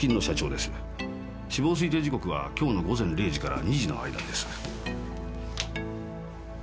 死亡推定時刻は今日の午前０時から２時の間です。